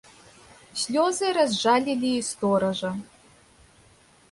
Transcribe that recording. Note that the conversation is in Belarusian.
Слёзы разжалілі і стоража.